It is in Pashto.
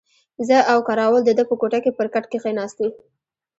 زه او کراول د ده په کوټه کې پر کټ کښېناستو.